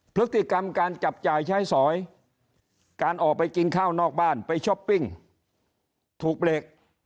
พฤติกรรมการจับจ่ายใช้สอยการออกไปกินข้าวนอกบ้านไปช้อปปิ้งถูกเบรก